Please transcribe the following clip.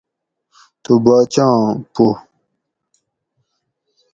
تو باچا آں پو